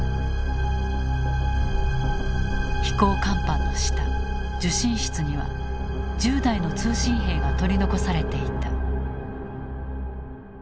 飛行甲板の下受信室には１０代の通信兵が取り残されていた。